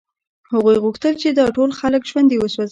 هغوی غوښتل چې دا ټول خلک ژوندي وسوځوي